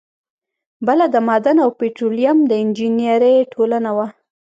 بله د معدن او پیټرولیم د انجینری ټولنه وه.